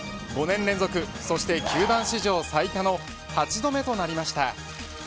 ５年連続、そして球団史上最多の８度目となりました。